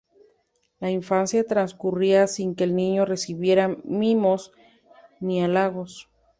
La infancia transcurría sin que el niño recibiera mimos ni halagos.